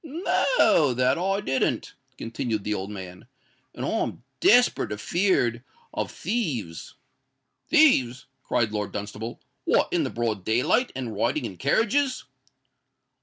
"No that I didn't," continued the old man; "and I'm desperate afeard of thieves." "Thieves!" cried Lord Dunstable: "what—in the broad day light, and riding in carriages?"